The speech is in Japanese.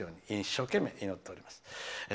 一生懸命祈っています。